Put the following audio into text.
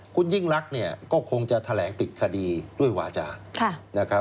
คุณยิ่งลักษณ์ก็คงจะแถลงปิดคดีด้วยวาจา